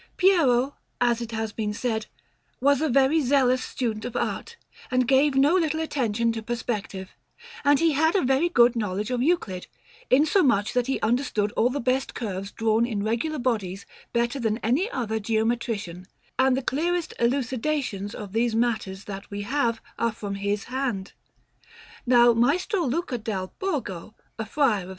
Piero, as it has been said, was a very zealous student of art, and gave no little attention to perspective; and he had a very good knowledge of Euclid, insomuch that he understood all the best curves drawn in regular bodies better than any other geometrician, and the clearest elucidations of these matters that we have are from his hand. Now Maestro Luca dal Borgo, a friar of S.